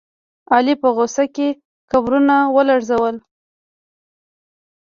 علي په غوسه کې قبرونه ولړزول.